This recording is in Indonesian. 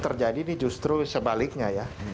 terjadi ini justru sebaliknya ya